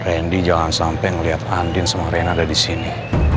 randy jangan sampai ngeliat andin sama reina ada di sini